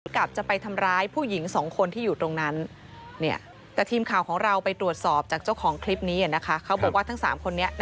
กับจะไปทำร้ายผู้หญิงสองคนที่อยู่ตรงนั้นแต่ทีมข่าวของเราไปตรวจสอบจากเจ้าของคลิปนี้นะคะเขาบอกว่าทั้ง๓คนนี้